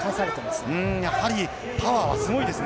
やはりパワーはすごいですね。